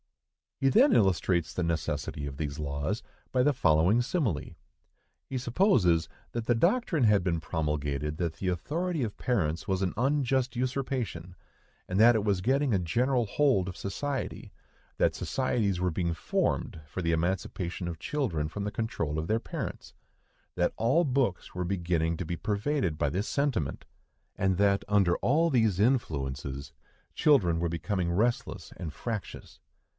He then illustrates the necessity of these laws by the following simile. He supposes that the doctrine had been promulgated that the authority of parents was an unjust usurpation, and that it was getting a general hold of society; that societies were being formed for the emancipation of children from the control of their parents; that all books were beginning to be pervaded by this sentiment; and that, under all these influences, children were becoming restless and fractious.